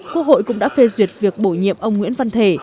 quốc hội cũng đã phê duyệt việc bổ nhiệm ông nguyễn văn thể